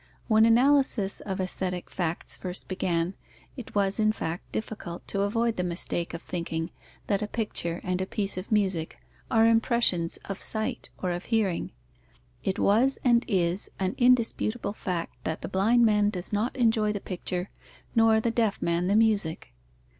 When analysis of aesthetic facts first began, it was, in fact, difficult to avoid the mistake of thinking that a picture and a piece of music are impressions of sight or of hearing: it was and is an indisputable fact that the blind man does not enjoy the picture, nor the deaf man the music.